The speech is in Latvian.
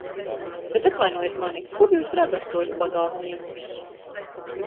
Bet, atvainojiet mani, kur jūs redzat tos bagātniekus?